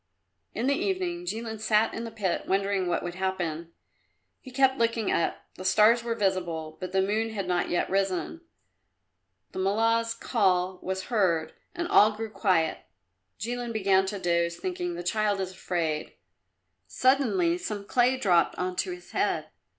In the evening Jilin sat in the pit wondering what would happen. He kept looking up; the stars were visible, but the moon had not yet risen. The Mullah's call was heard, and all grew quiet. Jilin began to doze, thinking "The child is afraid." Suddenly some clay dropped on to his head.